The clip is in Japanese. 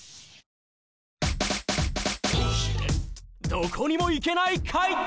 どこにも行けない階段！